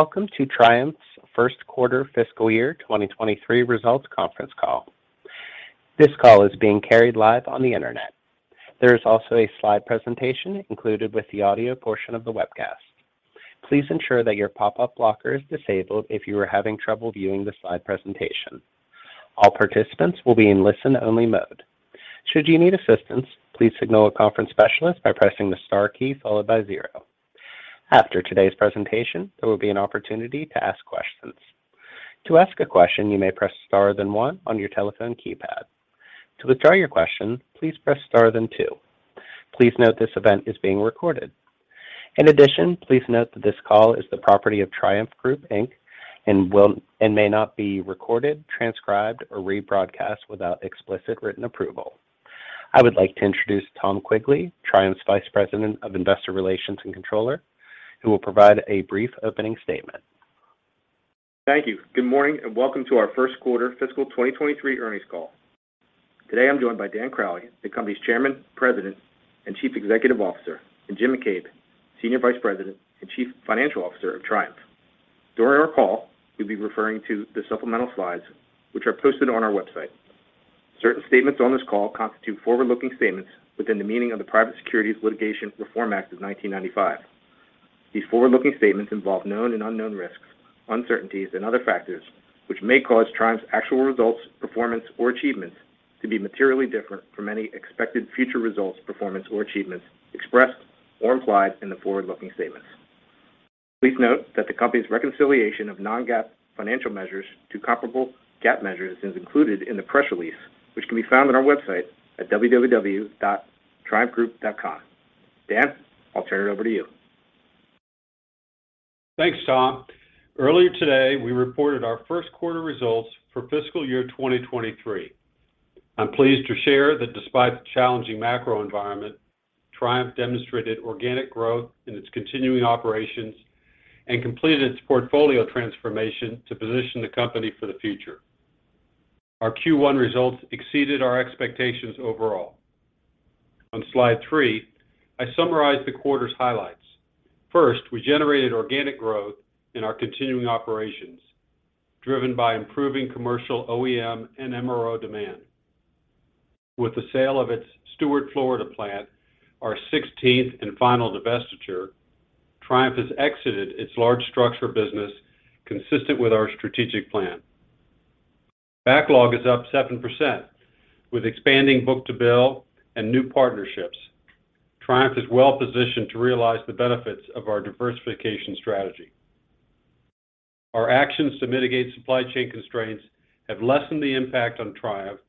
Welcome to Triumph's First Quarter Fiscal Year 2023 Results Conference Call. This call is being carried live on the internet. There is also a slide presentation included with the audio portion of the webcast. Please ensure that your pop-up blocker is disabled if you are having trouble viewing the slide presentation. All participants will be in listen-only mode. Should you need assistance, please signal a conference specialist by pressing the star key followed by zero. After today's presentation, there will be an opportunity to ask questions. To ask a question, you may press star then one on your telephone keypad. To withdraw your question, please press star then two. Please note this event is being recorded. In addition, please note that this call is the property of Triumph Group, Inc. and may not be recorded, transcribed, or rebroadcast without explicit written approval. I would like to introduce Tom Quigley, Triumph's Vice President of Investor Relations and Controller, who will provide a brief opening statement. Thank you. Good morning, and welcome to our first quarter fiscal 2023 earnings call. Today, I'm joined by Dan Crowley, the company's Chairman, President, and Chief Executive Officer, and Jim McCabe, Senior Vice President and Chief Financial Officer of Triumph. During our call, we'll be referring to the supplemental slides which are posted on our website. Certain statements on this call constitute forward-looking statements within the meaning of the Private Securities Litigation Reform Act of 1995. These forward-looking statements involve known and unknown risks, uncertainties, and other factors, which may cause Triumph's actual results, performance, or achievements to be materially different from any expected future results, performance, or achievements expressed or implied in the forward-looking statements. Please note that the company's reconciliation of non-GAAP financial measures to comparable GAAP measures is included in the press release, which can be found on our website at www.triumphgroup.com. Dan, I'll turn it over to you. Thanks, Tom. Earlier today, we reported our first quarter results for fiscal year 2023. I'm pleased to share that despite the challenging macro environment, Triumph demonstrated organic growth in its continuing operations and completed its portfolio transformation to position the company for the future. Our Q1 results exceeded our expectations overall. On slide three, I summarize the quarter's highlights. First, we generated organic growth in our continuing operations, driven by improving commercial OEM and MRO demand. With the sale of its Stuart, Florida plant, our 60th and final divestiture, Triumph has exited its large structure business consistent with our strategic plan. Backlog is up 7%, with expanding book-to-bill and new partnerships. Triumph is well-positioned to realize the benefits of our diversification strategy. Our actions to mitigate supply chain constraints have lessened the impact on Triumph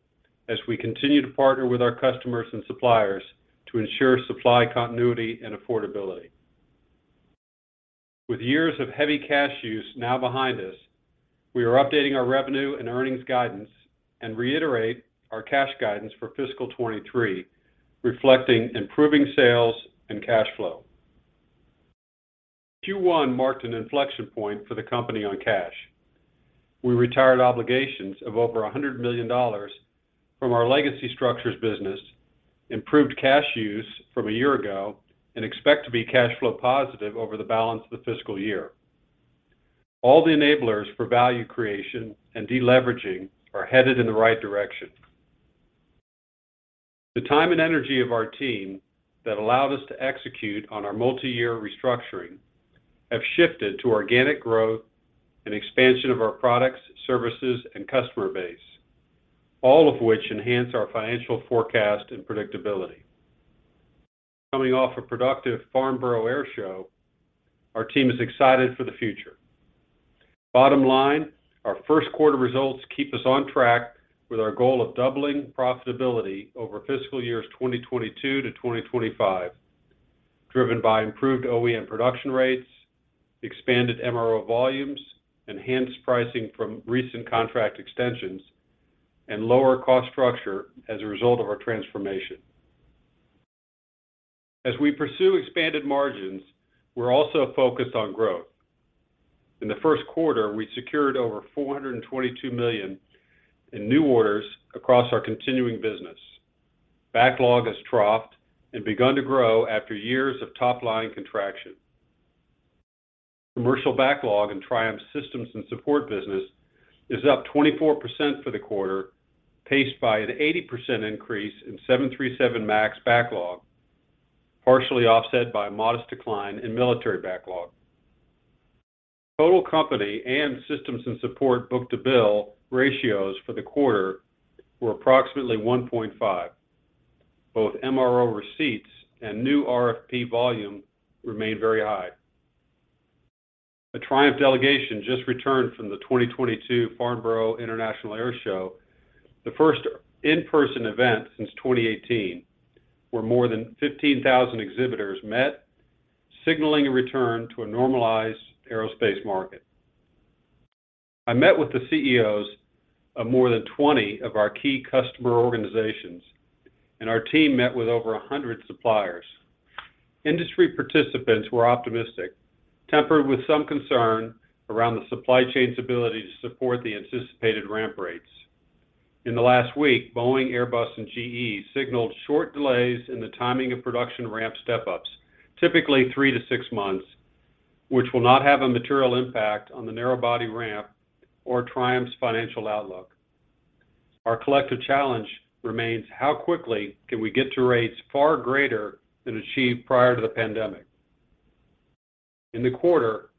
as we continue to partner with our customers and suppliers to ensure supply continuity and affordability. With years of heavy cash use now behind us, we are updating our revenue and earnings guidance and reiterate our cash guidance for fiscal 2023, reflecting improving sales and cash flow. Q1 marked an inflection point for the company on cash. We retired obligations of over $100 million from our legacy structures business, improved cash use from a year ago, and expect to be cash flow positive over the balance of the fiscal year. All the enablers for value creation and deleveraging are headed in the right direction. The time and energy of our team that allowed us to execute on our multi-year restructuring have shifted to organic growth and expansion of our products, services, and customer base, all of which enhance our financial forecast and predictability. Coming off a productive Farnborough Airshow, our team is excited for the future. Bottom line, our first quarter results keep us on track with our goal of doubling profitability over fiscal years 2022 to 2025, driven by improved OEM production rates, expanded MRO volumes, enhanced pricing from recent contract extensions, and lower cost structure as a result of our transformation. As we pursue expanded margins, we're also focused on growth. In the first quarter, we secured over $422 million in new orders across our continuing business. Backlog has troughed and begun to grow after years of top-line contraction. Commercial backlog in Triumph's systems and support business is up 24% for the quarter, paced by an 80% increase in 737 MAX backlog, partially offset by a modest decline in military backlog. Total company and systems and support book-to-bill ratios for the quarter were approximately 1.5. Both MRO receipts and new RFP volume remain very high. A Triumph delegation just returned from the 2022 Farnborough International Airshow, the first in-person event since 2018, where more than 15,000 exhibitors met, signaling a return to a normalized aerospace market. I met with the CEOs of more than 20 of our key customer organizations, and our team met with over 100 suppliers. Industry participants were optimistic, tempered with some concern around the supply chain's ability to support the anticipated ramp rates. In the last week, Boeing, Airbus, and GE signaled short delays in the timing of production ramp step-ups, typically three to six months, which will not have a material impact on the narrow-body ramp or Triumph's financial outlook. Our collective challenge remains how quickly can we get to rates far greater than achieved prior to the pandemic. In the quarter,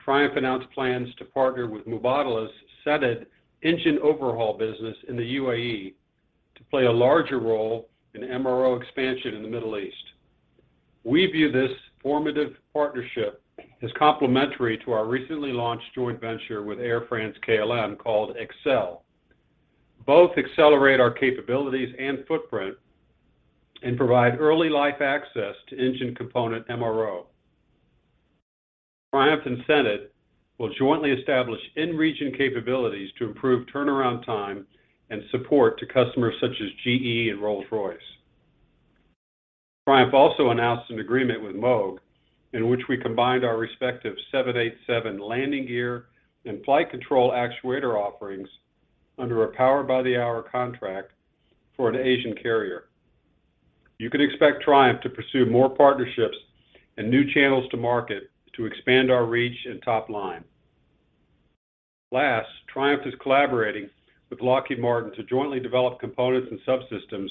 Triumph announced plans to partner with Mubadala's Sanad engine overhaul business in the UAE to play a larger role in MRO expansion in the Middle East. We view this formative partnership as complementary to our recently launched joint venture with Air France-KLM called xCelle. Both accelerate our capabilities and footprint and provide early life access to engine component MRO. Triumph and Sanad will jointly establish in-region capabilities to improve turnaround time and support to customers such as GE and Rolls-Royce. Triumph also announced an agreement with Moog in which we combined our respective 787 landing gear and flight control actuator offerings under a Power by the Hour contract for an Asian carrier. You can expect Triumph to pursue more partnerships and new channels to market to expand our reach and top line. Last, Triumph is collaborating with Lockheed Martin to jointly develop components and subsystems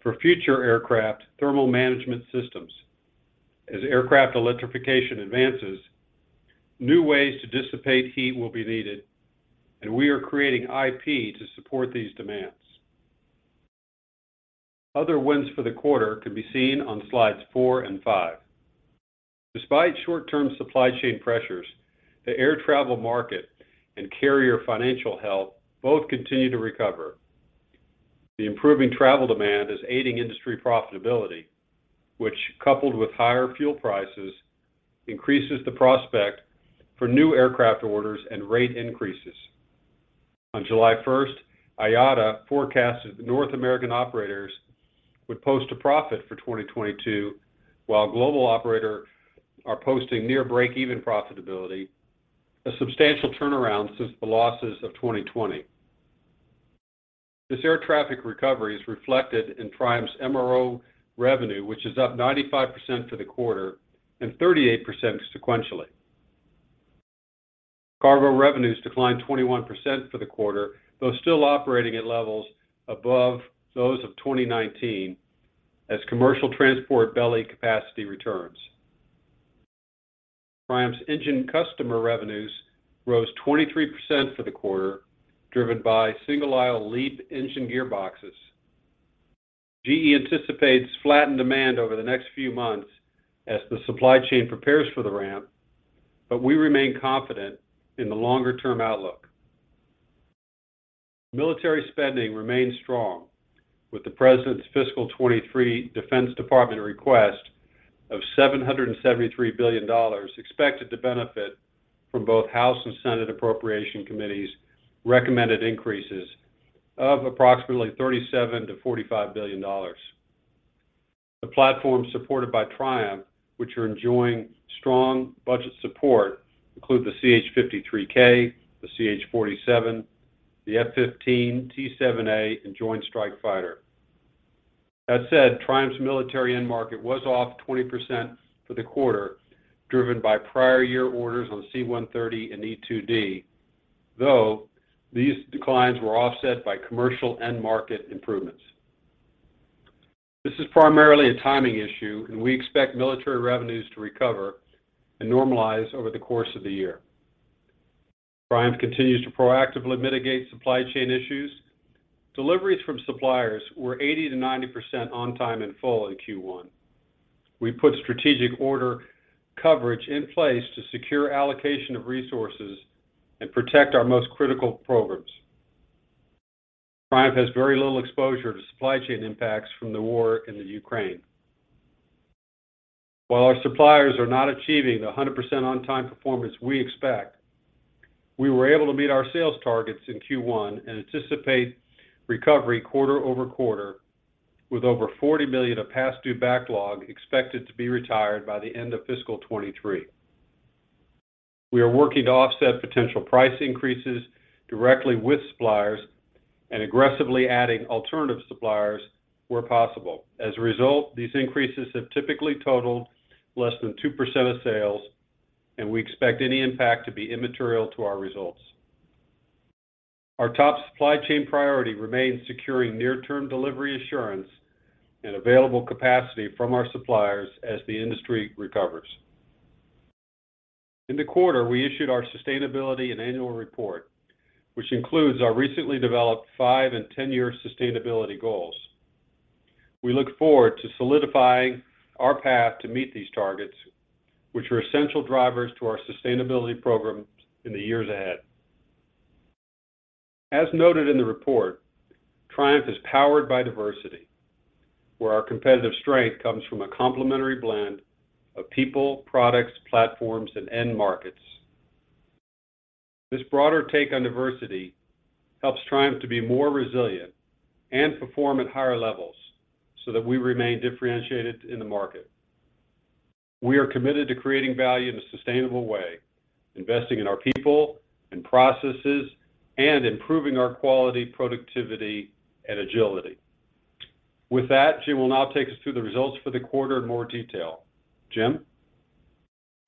for future aircraft thermal management systems. As aircraft electrification advances, new ways to dissipate heat will be needed, and we are creating IP to support these demands. Other wins for the quarter can be seen on slides four and five. Despite short-term supply chain pressures, the air travel market and carrier financial health both continue to recover. The improving travel demand is aiding industry profitability, which, coupled with higher fuel prices, increases the prospect for new aircraft orders and rate increases. On July first, IATA forecasted the North American operators would post a profit for 2022, while global operators are posting near break-even profitability, a substantial turnaround since the losses of 2020. This air traffic recovery is reflected in Triumph's MRO revenue, which is up 95% for the quarter and 38% sequentially. Cargo revenues declined 21% for the quarter, though still operating at levels above those of 2019 as commercial transport belly capacity returns. Triumph's engine customer revenues rose 23% for the quarter, driven by single-aisle LEAP engine gearboxes. GE anticipates flattened demand over the next few months as the supply chain prepares for the ramp, but we remain confident in the longer-term outlook. Military spending remains strong with the President's fiscal 2023 Department of Defense request of $773 billion expected to benefit from both House and Senate Appropriations Committees' recommended increases of approximately $37 billion-$45 billion. The platforms supported by Triumph, which are enjoying strong budget support, include the CH-53K, the CH-47, the F-15, T-7A, and Joint Strike Fighter. That said, Triumph's military end market was off 20% for the quarter, driven by prior year orders on C-130 and E-2D, though these declines were offset by commercial end market improvements. This is primarily a timing issue, and we expect military revenues to recover and normalize over the course of the year. Triumph continues to proactively mitigate supply chain issues. Deliveries from suppliers were 80%-90% on time and full in Q1. We put strategic order coverage in place to secure allocation of resources and protect our most critical programs. Triumph has very little exposure to supply chain impacts from the war in the Ukraine. While our suppliers are not achieving the 100% on time performance we expect, we were able to meet our sales targets in Q1 and anticipate recovery quarter-over-quarter with over $40 million of past due backlog expected to be retired by the end of fiscal 2023. We are working to offset potential price increases directly with suppliers and aggressively adding alternative suppliers where possible. As a result, these increases have typically totaled less than 2% of sales, and we expect any impact to be immaterial to our results. Our top supply chain priority remains securing near term delivery assurance and available capacity from our suppliers as the industry recovers. In the quarter, we issued our sustainability and annual report, which includes our recently developed five and ten-year sustainability goals. We look forward to solidifying our path to meet these targets, which are essential drivers to our sustainability programs in the years ahead. As noted in the report, Triumph is powered by diversity, where our competitive strength comes from a complementary blend of people, products, platforms, and end markets. This broader take on diversity helps Triumph to be more resilient and perform at higher levels so that we remain differentiated in the market. We are committed to creating value in a sustainable way, investing in our people and processes, and improving our quality, productivity and agility. With that, Jim will now take us through the results for the quarter in more detail. Jim.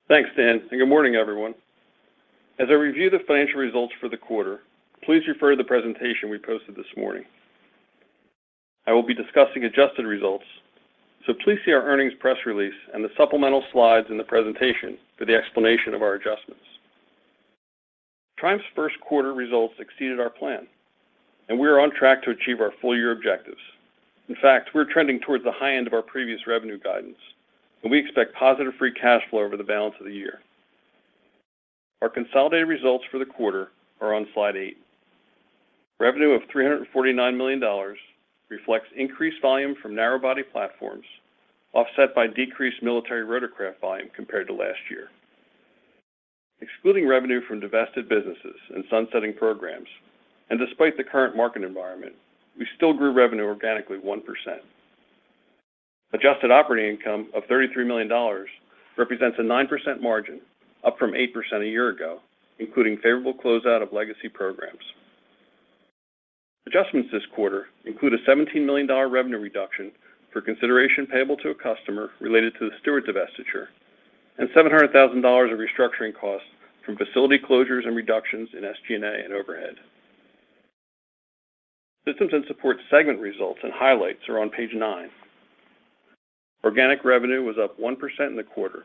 Thanks, Dan, and good morning, everyone. As I review the financial results for the quarter, please refer to the presentation we posted this morning. I will be discussing adjusted results, so please see our earnings press release and the supplemental slides in the presentation for the explanation of our adjustments. Triumph's first quarter results exceeded our plan, and we are on track to achieve our full year objectives. In fact, we're trending towards the high end of our previous revenue guidance, and we expect positive free cash flow over the balance of the year. Our consolidated results for the quarter are on Slide eight. Revenue of $349 million reflects increased volume from narrow-body platforms, offset by decreased military rotorcraft volume compared to last year. Excluding revenue from divested businesses and sunsetting programs, and despite the current market environment, we still grew revenue organically 1%. Adjusted operating income of $33 million represents a 9% margin, up from 8% a year ago, including favorable closeout of legacy programs. Adjustments this quarter include a $17 million revenue reduction for consideration payable to a customer related to the Stuart divestiture, and $700,000 of restructuring costs from facility closures and reductions in SG&A and overhead. Systems & Support segment results and highlights are on page nine. Organic revenue was up 1% in the quarter,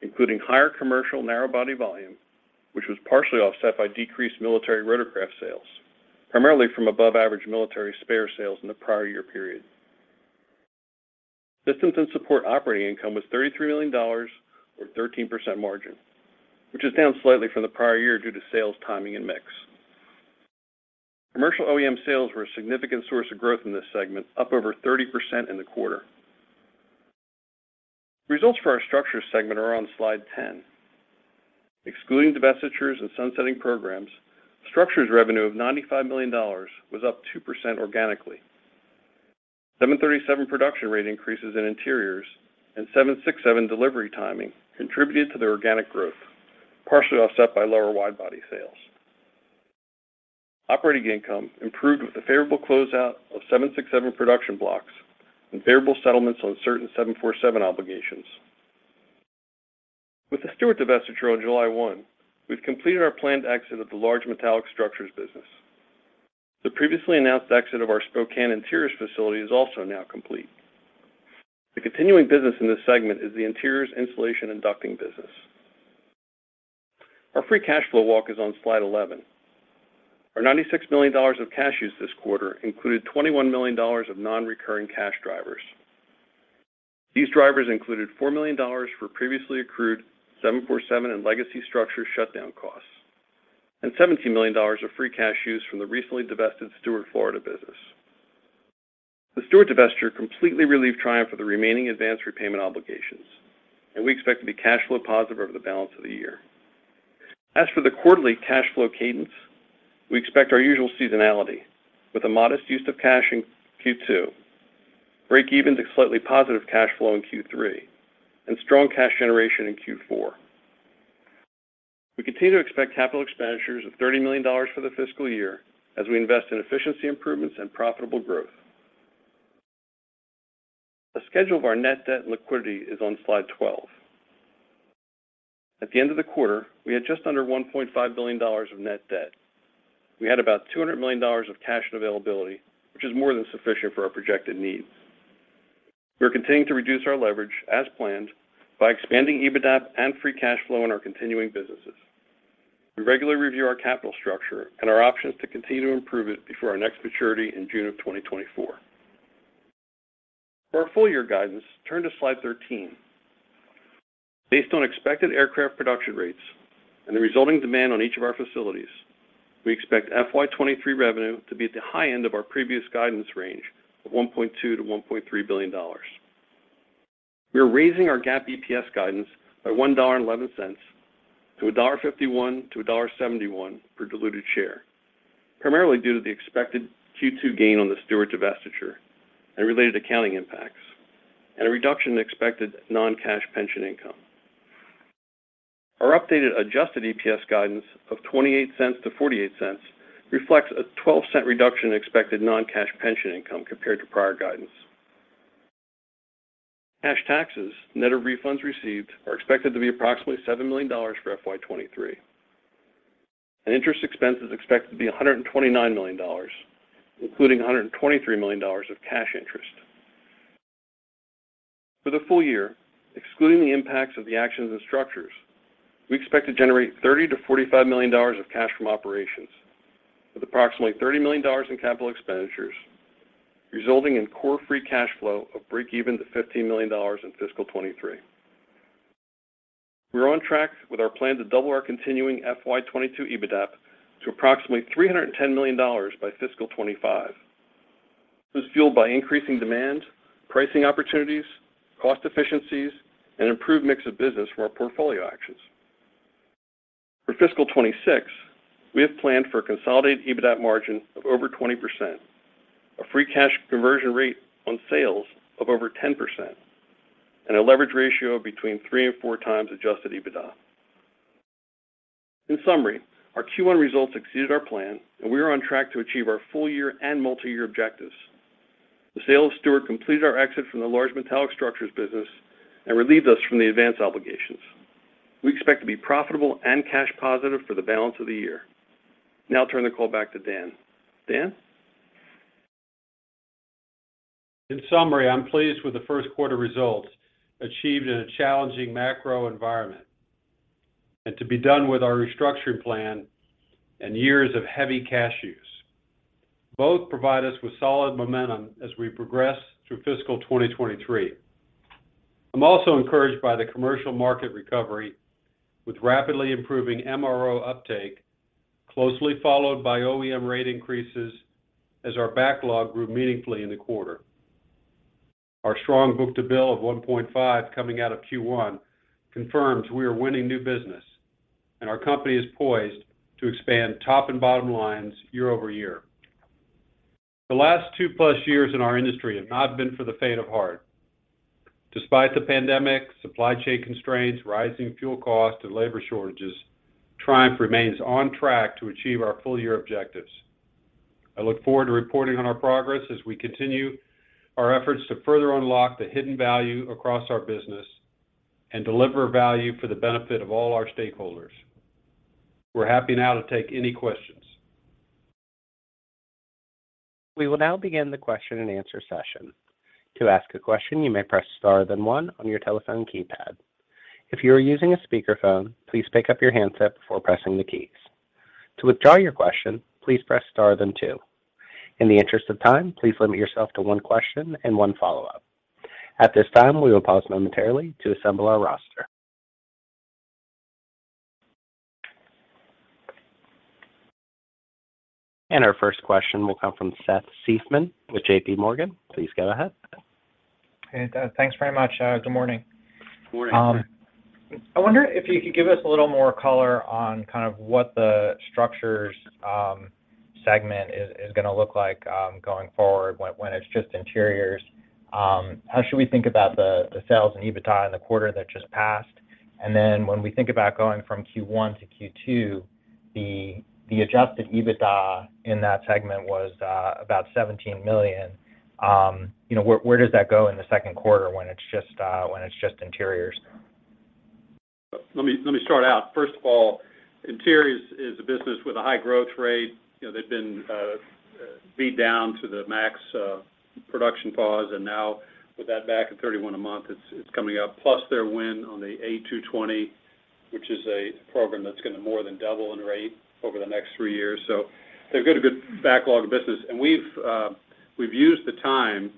including higher commercial narrow-body volume, which was partially offset by decreased military rotorcraft sales, primarily from above average military spare sales in the prior year period. Systems & Support operating income was $33 million or 13% margin, which is down slightly from the prior year due to sales timing and mix. Commercial OEM sales were a significant source of growth in this segment, up over 30% in the quarter. Results for our Structures segment are on slide 10. Excluding divestitures and sunsetting programs, Structures revenue of $95 million was up 2% organically. 737 production rate increases in interiors and 767 delivery timing contributed to the organic growth, partially offset by lower wide body sales. Operating income improved with the favorable close out of 767 production blocks and favorable settlements on certain 747 obligations. With the Stuart divestiture on July 1, we've completed our planned exit of the large metallic structures business. The previously announced exit of our Spokane interiors facility is also now complete. The continuing business in this segment is the interiors, insulation and ducting business. Our free cash flow walk is on slide 11. Our $96 million of cash used this quarter included $21 million of non-recurring cash drivers. These drivers included $4 million for previously accrued 747 and legacy structure shutdown costs, and $17 million of free cash use from the recently divested Stuart, Florida business. The Stuart divestiture completely relieved Triumph of the remaining advance repayment obligations, and we expect to be cash flow positive over the balance of the year. As for the quarterly cash flow cadence, we expect our usual seasonality with a modest use of cash in Q2, breakeven to slightly positive cash flow in Q3, and strong cash generation in Q4. We continue to expect capital expenditures of $30 million for the fiscal year as we invest in efficiency improvements and profitable growth. A schedule of our net debt and liquidity is on slide 12. At the end of the quarter, we had just under $1.5 billion of net debt. We had about $200 million of cash and availability, which is more than sufficient for our projected needs. We're continuing to reduce our leverage as planned by expanding EBITDA and free cash flow in our continuing businesses. We regularly review our capital structure and our options to continue to improve it before our next maturity in June of 2024. For our full year guidance, turn to slide 13. Based on expected aircraft production rates and the resulting demand on each of our facilities, we expect FY 2023 revenue to be at the high end of our previous guidance range of $1.2-$1.3 billion. We are raising our GAAP EPS guidance by $1.11 to $1.51-$1.71 per diluted share, primarily due to the expected Q2 gain on the Stuart divestiture and related accounting impacts, and a reduction in expected non-cash pension income. Our updated adjusted EPS guidance of $0.28-$0.48 reflects a 12-cent reduction in expected non-cash pension income compared to prior guidance. Cash taxes, net of refunds received, are expected to be approximately $7 million for FY 2023. Interest expense is expected to be $129 million, including $123 million of cash interest. For the full year, excluding the impacts of the actions and structures, we expect to generate $30 million-$45 million of cash from operations, with approximately $30 million in capital expenditures, resulting in core free cash flow of breakeven to $15 million in fiscal 2023. We are on track with our plan to double our continuing FY 2022 EBITDA to approximately $310 million by fiscal 2025. This is fueled by increasing demand, pricing opportunities, cost efficiencies, and improved mix of business from our portfolio actions. For fiscal 2026, we have planned for a consolidated EBITDA margin of over 20%, a free cash conversion rate on sales of over 10%, and a leverage ratio of between 3x and 4x adjusted EBITDA. In summary, our Q1 results exceeded our plan, and we are on track to achieve our full year and multi-year objectives. The sale of Stuart completed our exit from the large metallic structures business and relieved us from the advance obligations. We expect to be profitable and cash positive for the balance of the year. Now I'll turn the call back to Dan. Dan? In summary, I'm pleased with the first quarter results achieved in a challenging macro environment and to be done with our restructuring plan and years of heavy cash use. Both provide us with solid momentum as we progress through fiscal 2023. I'm also encouraged by the commercial market recovery with rapidly improving MRO uptake, closely followed by OEM rate increases as our backlog grew meaningfully in the quarter. Our strong book-to-bill of 1.5 coming out of Q1 confirms we are winning new business and our company is poised to expand top and bottom lines year-over-year. The last 2+ years in our industry have not been for the faint of heart. Despite the pandemic, supply chain constraints, rising fuel costs, and labor shortages, Triumph remains on track to achieve our full year objectives. I look forward to reporting on our progress as we continue our efforts to further unlock the hidden value across our business and deliver value for the benefit of all our stakeholders. We're happy now to take any questions. We will now begin the question and answer session. To ask a question, you may press star then one on your telephone keypad. If you are using a speakerphone, please pick up your handset before pressing the keys. To withdraw your question, please press star then two. In the interest of time, please limit yourself to one question and one follow-up. At this time, we will pause momentarily to assemble our roster. Our first question will come from Seth Seifman with JPMorgan. Please go ahead. Hey, thanks very much. Good morning. Good morning. I wonder if you could give us a little more color on kind of what the structures segment is gonna look like going forward when it's just interiors. How should we think about the sales and EBITDA in the quarter that just passed? When we think about going from Q1 to Q2, the adjusted EBITDA in that segment was about $17 million. You know, where does that go in the second quarter when it's just interiors? Let me start out. First of all, interiors is a business with a high growth rate. You know, they've been beat down to the max, production pause, and now with that back at 31 a month, it's coming up. Plus their win on the A220, which is a program that's gonna more than double in rate over the next three years. They've got a good backlog of business. And we've used the time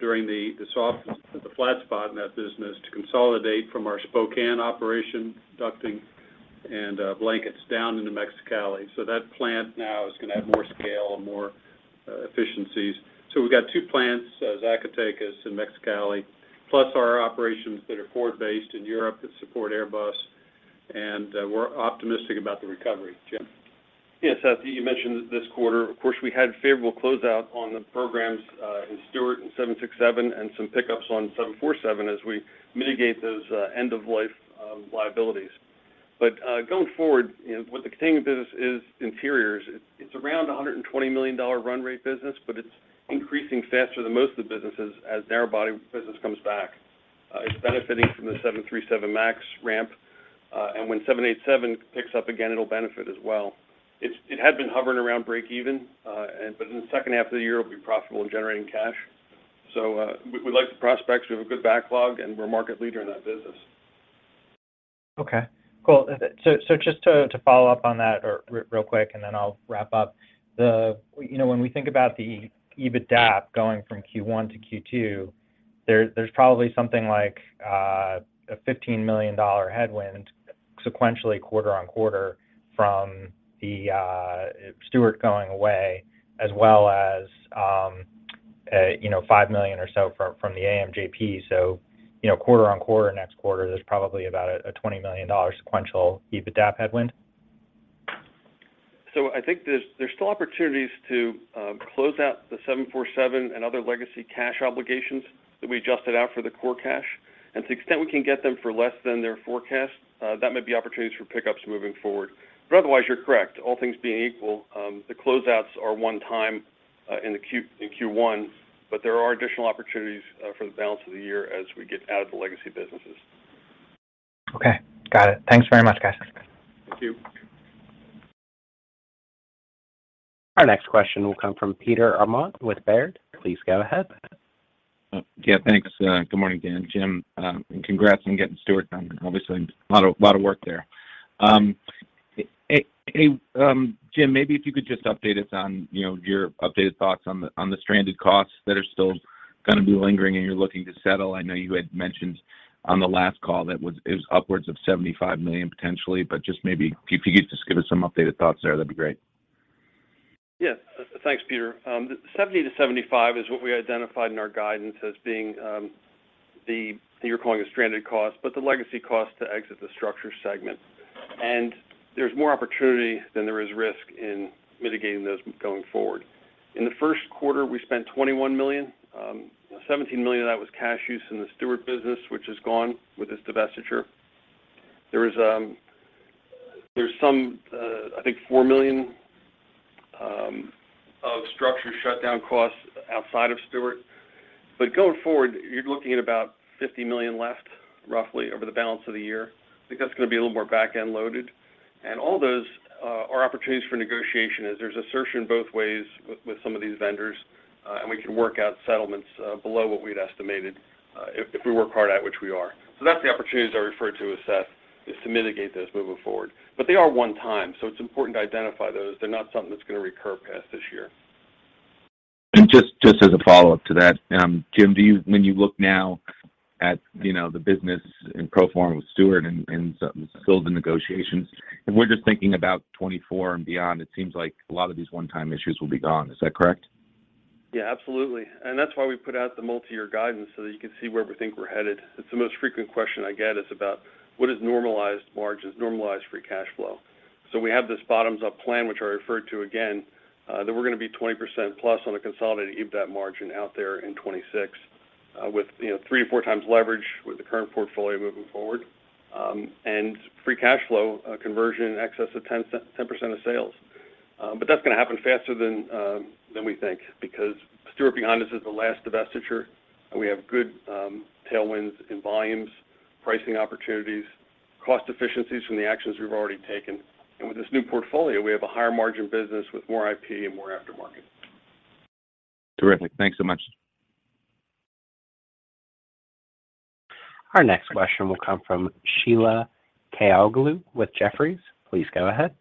during the soft, the flat spot in that business to consolidate from our Spokane operation ducting and blankets down into Mexicali. That plant now is gonna have more scale and more efficiencies. We've got two plants, Zacatecas and Mexicali, plus our operations that are forward-based in Europe that support Airbus, and we're optimistic about the recovery. Jim? Yeah. Seth, you mentioned this quarter. Of course, we had favorable closeout on the programs in Stuart and 767 and some pickups on 747 as we mitigate those end of life liabilities. Going forward, you know, what the continuing business is interiors. It's around a $120 million run rate business, but it's increasing faster than most of the businesses as narrow body business comes back. It's benefiting from the 737 MAX ramp, and when 787 picks up again it'll benefit as well. It had been hovering around break even, and but in the second half of the year it'll be profitable in generating cash. We like the prospects. We have a good backlog, and we're a market leader in that business. Okay. Cool. Just to follow up on that or real quick, and then I'll wrap up. You know, when we think about the EBITDAP going from Q1 to Q2, there's probably something like a $15 million headwind sequentially quarter on quarter from the Stuart going away as well as you know, $5 million or so from the AMJP. You know, quarter on quarter next quarter, there's probably about a $20 million sequential EBITDAP headwind. I think there's still opportunities to close out the 747 and other legacy cash obligations that we adjusted out for the core cash. To the extent we can get them for less than their forecast, that might be opportunities for pickups moving forward. Otherwise, you're correct. All things being equal, the closeouts are one time in Q1, but there are additional opportunities for the balance of the year as we get out of the legacy businesses. Okay. Got it. Thanks very much, guys. Thank you. Our next question will come from Peter Arment with Baird. Please go ahead. Yeah, thanks. Good morning, Dan, Jim. And congrats on getting Stuart done. Obviously, a lot of work there. Hey, Jim, maybe if you could just update us on, you know, your updated thoughts on the stranded costs that are still gonna be lingering and you're looking to settle. I know you had mentioned on the last call that it was upwards of $75 million potentially, but just maybe if you could just give us some updated thoughts there, that'd be great. Yes. Thanks, Peter. The $70 million-$75 million is what we identified in our guidance as being the that you're calling the stranded cost, but the legacy cost to exit the structures segment. There's more opportunity than there is risk in mitigating those going forward. In the first quarter, we spent $21 million. $17 million of that was cash use in the Stuart business, which is gone with this divestiture. There's some, I think $4 million of structures shutdown costs outside of Stuart. Going forward, you're looking at about $50 million left roughly over the balance of the year. I think that's gonna be a little more back-end loaded. All those are opportunities for negotiation, as there's assertion both ways with some of these vendors, and we can work out settlements below what we'd estimated, if we work hard at, which we are. That's the opportunities I referred to with Seth, is to mitigate those moving forward. They are one time, so it's important to identify those. They're not something that's gonna recur past this year. Just as a follow-up to that, Jim, do you, when you look now at, you know, the business in pro forma with Stuart and still the negotiations, if we're just thinking about 2024 and beyond, it seems like a lot of these one-time issues will be gone. Is that correct? Yeah, absolutely. That's why we put out the multi-year guidance so that you can see where we think we're headed. It's the most frequent question I get is about what is normalized margins, normalized free cash flow. We have this bottoms-up plan, which I referred to again, that we're gonna be 20%+ on a consolidated EBIT margin out there in 2026, with, you know, three-four times leverage with the current portfolio moving forward, and free cash flow conversion in excess of 10% of sales. But that's gonna happen faster than we think because Stuart behind us is the last divestiture, and we have good tailwinds in volumes, pricing opportunities, cost efficiencies from the actions we've already taken. With this new portfolio, we have a higher margin business with more IP and more aftermarket. Terrific. Thanks so much. Our next question will come from Sheila Kahyaoglu with Jefferies. Please go ahead.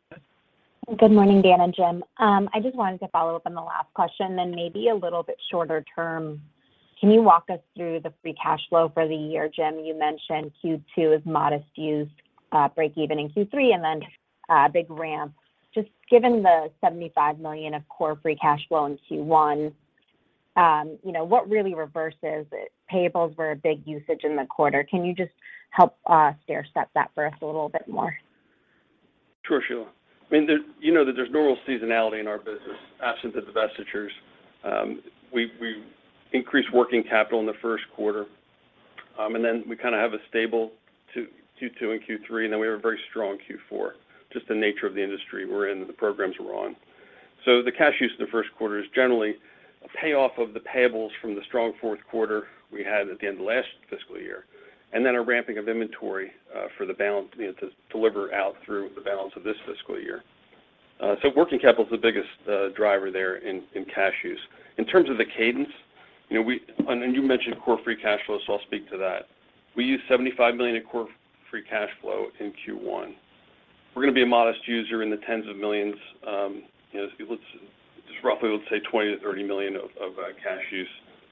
Good morning, Dan and Jim. I just wanted to follow up on the last question, then maybe a little bit shorter term. Can you walk us through the free cash flow for the year, Jim? You mentioned Q2 is modest use, breakeven in Q3, and then, big ramp. Just given the $75 million of core free cash flow in Q1, you know, what really reverses it? Payables were a big usage in the quarter. Can you just help, stair-step that for us a little bit more? Sure, Sheila. I mean, there, you know that there's normal seasonality in our business, absent the divestitures. We increase working capital in the first quarter, and then we kinda have a stable Q2 and Q3, and then we have a very strong Q4. Just the nature of the industry we're in and the programs we're on. The cash use in the first quarter is generally a payoff of the payables from the strong fourth quarter we had at the end of last fiscal year, and then a ramping of inventory for the balance, you know, to deliver out through the balance of this fiscal year. Working capital is the biggest driver there in cash use. In terms of the cadence, you know, you mentioned core free cash flow, so I'll speak to that. We used $75 million in core free cash flow in Q1. We're gonna be a modest user in the tens of millions. You know, let's say $20 million-$30 million of cash use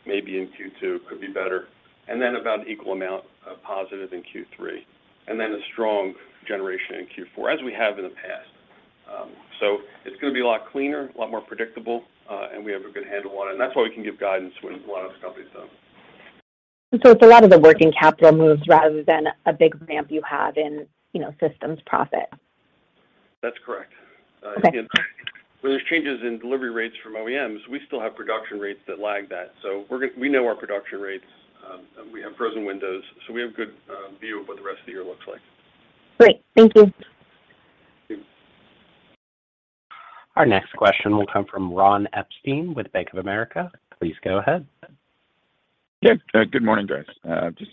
maybe in Q2, could be better, and then about an equal amount of positive in Q3, and then a strong generation in Q4, as we have in the past. It's gonna be a lot cleaner, a lot more predictable, and we have a good handle on it. That's why we can give guidance when a lot of companies don't. It's a lot of the working capital moves rather than a big ramp you have in, you know, systems profit. That's correct. Okay. Again, when there's changes in delivery rates from OEMs, we still have production rates that lag that. We know our production rates, and we have frozen windows, so we have a good view of what the rest of the year looks like. Great. Thank you. Thank you. Our next question will come from Ronald Epstein with Bank of America. Please go ahead. Yeah. Good morning, guys. Just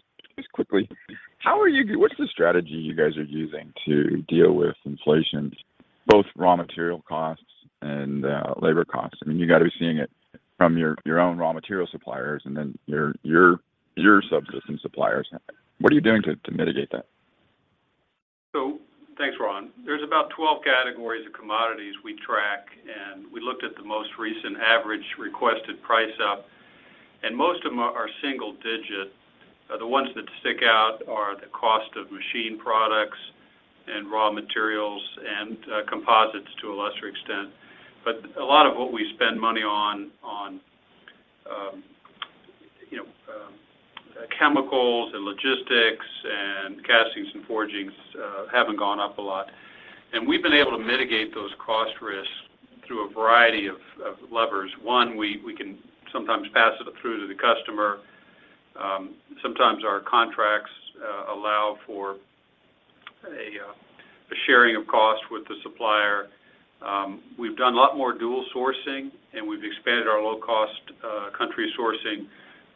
quickly, what's the strategy you guys are using to deal with inflation, both raw material costs and labor costs? I mean, you gotta be seeing it from your own raw material suppliers and then your subsystem suppliers. What are you doing to mitigate that? Thanks, Ron. There's about 12 categories of commodities we track, and we looked at the most recent average requested price up, and most of them are single digit. The ones that stick out are the cost of machined products and raw materials and composites to a lesser extent. A lot of what we spend money on chemicals and logistics and castings and forgings haven't gone up a lot. We've been able to mitigate those cost risks through a variety of levers. One, we can sometimes pass it through to the customer. Sometimes our contracts allow for a sharing of cost with the supplier. We've done a lot more dual sourcing, and we've expanded our low-cost country sourcing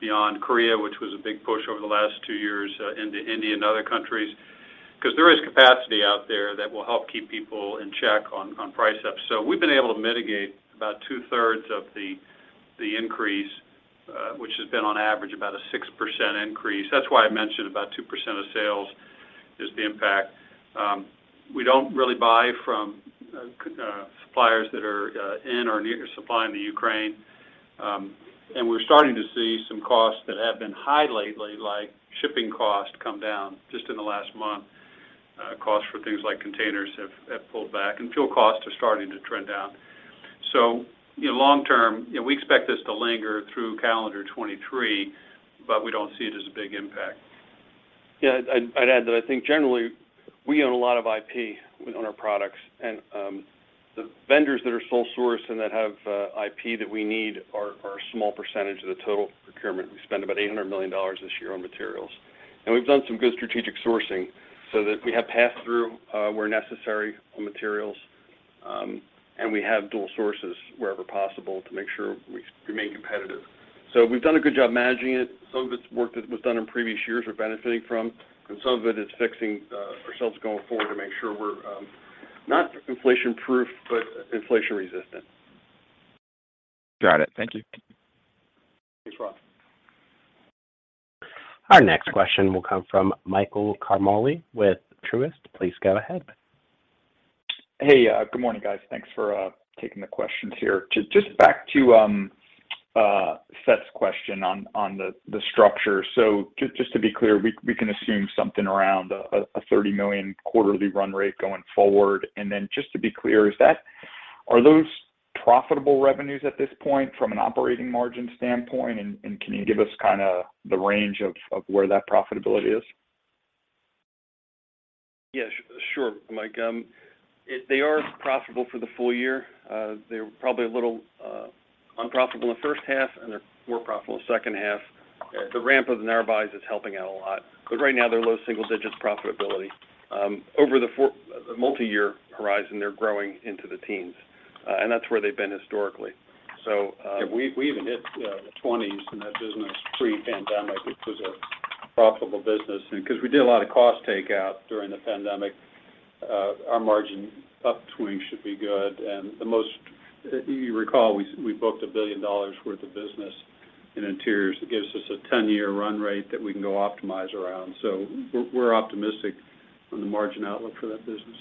beyond Korea, which was a big push over the last two years, into India and other countries. 'Cause there is capacity out there that will help keep people in check on price ups. We've been able to mitigate about 2/3 of the increase, which has been on average about a 6% increase. That's why I mentioned about 2% of sales is the impact. We don't really buy from suppliers that are in or near supplying the Ukraine. We're starting to see some costs that have been high lately, like shipping costs, come down just in the last month. A cost for things like containers have pulled back, and fuel costs are starting to trend down. You know, long term, you know, we expect this to linger through calendar 2023, but we don't see it as a big impact. Yeah, I'd add that I think generally we own a lot of IP on our products, and the vendors that are sole source and that have IP that we need are a small percentage of the total procurement. We spend about $800 million this year on materials. We've done some good strategic sourcing so that we have pass-through where necessary on materials, and we have dual sources wherever possible to make sure we remain competitive. We've done a good job managing it. Some of it's work that was done in previous years, we're benefiting from, and some of it is fixing ourselves going forward to make sure we're not inflation proof, but inflation resistant. Got it. Thank you. Thanks, Ron. Our next question will come from Michael Ciarmoli with Truist. Please go ahead. Hey. Good morning, guys. Thanks for taking the questions here. Just back to Seth's question on the structure. Just to be clear, we can assume something around a $30 million quarterly run rate going forward. Then just to be clear, are those profitable revenues at this point from an operating margin standpoint, and can you give us kinda the range of where that profitability is? Yeah, sure, Mike. They are profitable for the full year. They're probably a little unprofitable in the first half, and they're more profitable second half. The ramp of the narrow-bodies is helping out a lot, but right now they're low single digits profitability. Over the multiyear horizon, they're growing into the teens, and that's where they've been historically. Yeah, we've even hit the 20s in that business pre-pandemic, which was a profitable business. Because we did a lot of cost takeout during the pandemic, our margin upswing should be good. You recall, we booked $1 billion worth of business in interiors. It gives us a 10-year run rate that we can go optimize around. We're optimistic on the margin outlook for that business.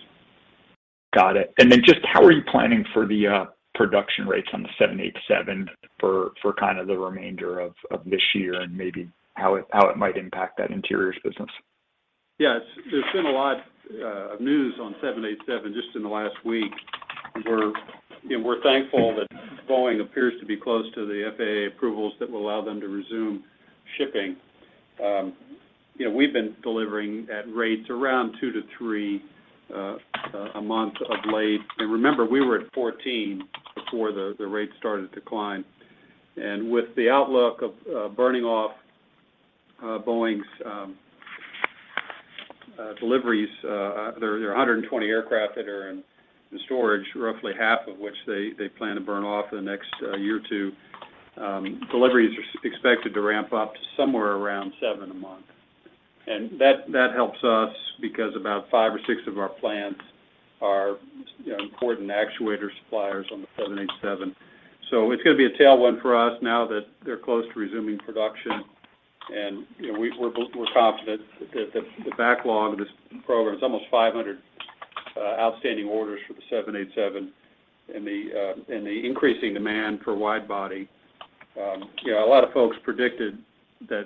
Got it. Just how are you planning for the production rates on the 787 for kind of the remainder of this year and maybe how it might impact that interiors business? Yeah. There's been a lot of news on 787 just in the last week. We're, you know, thankful that Boeing appears to be close to the FAA approvals that will allow them to resume shipping. You know, we've been delivering at rates around two to three a month of late. Remember, we were at 14 before the rates started to climb. With the outlook of burning off Boeing's deliveries, there are 120 aircraft that are in storage, roughly half of which they plan to burn off in the next year or two. Deliveries are expected to ramp up to somewhere around seven a month. That helps us because about five or six of our plants are, you know, important actuator suppliers on the 787. It's gonna be a tailwind for us now that they're close to resuming production and, you know, we're confident that the backlog of this program, it's almost 500 outstanding orders for the 787 and the increasing demand for wide-body. You know, a lot of folks predicted that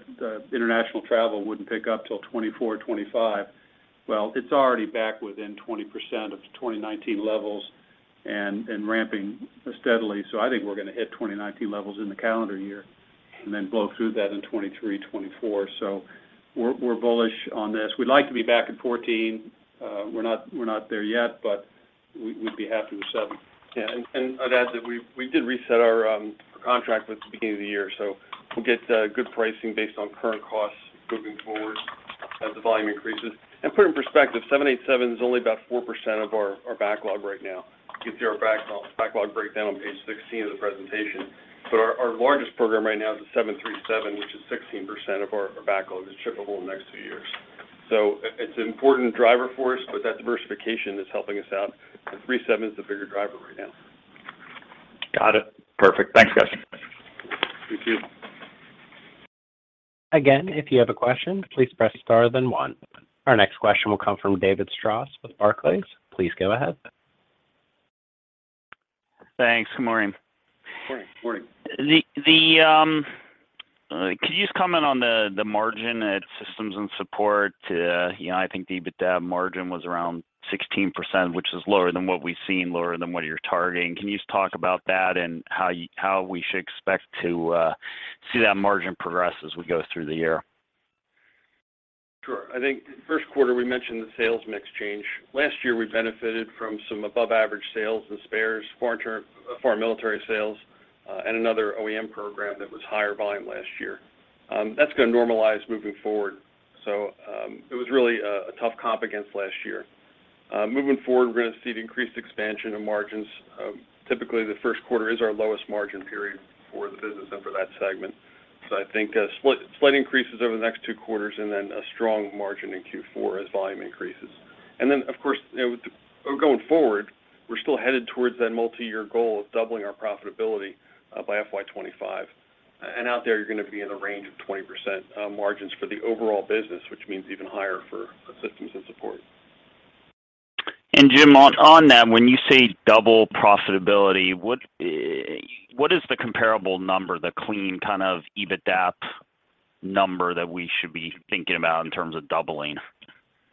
international travel wouldn't pick up till 2024 or 2025. Well, it's already back within 20% of the 2019 levels and ramping steadily. I think we're gonna hit 2019 levels in the calendar year and then blow through that in 2023, 2024. We're bullish on this. We'd like to be back at 14. We're not there yet, but we'd be happy with seven. Yeah. I'd add that we did reset our contract at the beginning of the year, so we'll get good pricing based on current costs moving forward as the volume increases. Put in perspective, 787 is only about 4% of our backlog right now. You can see our backlog breakdown on page 16 of the presentation. Our largest program right now is the 737, which is 16% of our backlog. It's shippable in the next two years. It's an important driver for us, but that diversification is helping us out. The 737 is the bigger driver right now. Got it. Perfect. Thanks, guys. Thank you. Again, if you have a question, please press star then one. Our next question will come from David Strauss with Barclays. Please go ahead. Thanks. Good morning. Morning. Morning. Could you just comment on the margin at Systems and Support? You know, I think the EBITDA margin was around 16%, which is lower than what we've seen, lower than what you're targeting. Can you just talk about that and how we should expect to see that margin progress as we go through the year? Sure. I think first quarter, we mentioned the sales mix change. Last year, we benefited from some above average sales in spares, foreign military sales, and another OEM program that was higher volume last year. That's gonna normalize moving forward. It was really a tough comp against last year. Moving forward, we're gonna see the increased expansion of margins. Typically, the first quarter is our lowest margin period for the business and for that segment. I think slight increases over the next two quarters and then a strong margin in Q4 as volume increases. Then, of course, you know, going forward, we're still headed towards that multi-year goal of doubling our profitability by FY 2025. Out there, you're gonna be in a range of 20% margins for the overall business, which means even higher for Systems & Support. Jim, on that, when you say double profitability, what is the comparable number, the clean kind of EBITDA number that we should be thinking about in terms of doubling?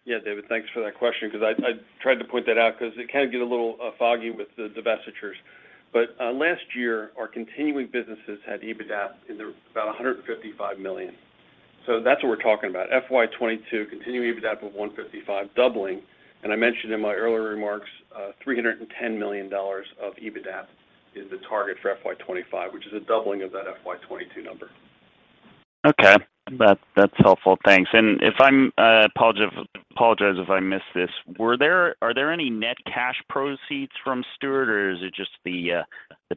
Yeah, David, thanks for that question because I tried to point that out 'cause it can get a little foggy with the divestitures. Last year, our continuing businesses had EBITDA of about $155 million. That's what we're talking about. FY 2022 continuing EBITDA of 155 doubling. I mentioned in my earlier remarks, $310 million of EBITDA is the target for FY 2025, which is a doubling of that FY 2022 number. Okay. That's helpful. Thanks. Apologize if I missed this. Are there any net cash proceeds from Stuart, or is it just the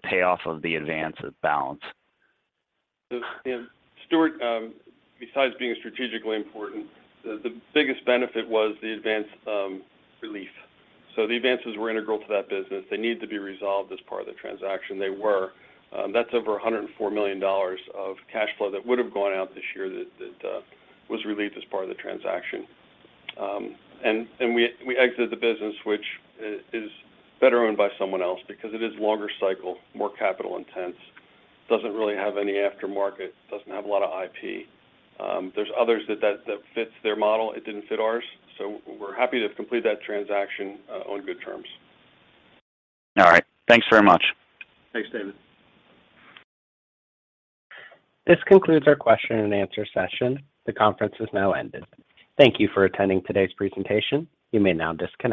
payoff of the advance and balance? You know, Stuart, besides being strategically important, the biggest benefit was the advance relief. The advances were integral to that business. They needed to be resolved as part of the transaction. They were. That's over $104 million of cash flow that would have gone out this year that was relieved as part of the transaction. We exited the business, which is better owned by someone else because it is longer cycle, more capital intense, doesn't really have any aftermarket, doesn't have a lot of IP. There's others that fits their model. It didn't fit ours. We're happy to complete that transaction on good terms. All right. Thanks very much. Thanks, David. This concludes our question and answer session. The conference has now ended. Thank you for attending today's presentation. You may now disconnect.